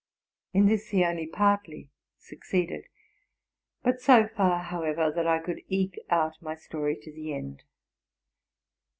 In this he only partly succeeded ; but so far, however, that I could eke out my story to the end.